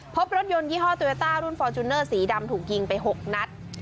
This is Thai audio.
พบรถยนต์ยี่ห้อโตโยต้ารุ่นฟอร์จูเนอร์สีดำถูกยิงไป๖นัด